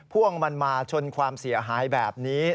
พ่วงมันมาชนความเสียหายแบบนี้